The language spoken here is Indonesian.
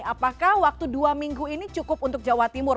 apakah waktu dua minggu ini cukup untuk jawa timur